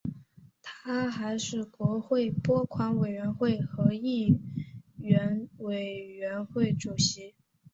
他还是国会拨款委员会和议院委员会主席。